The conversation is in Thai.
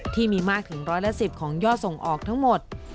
ที่มีมากถึงร้อยละ๑๐ของยอดส่งออกทั้งหมด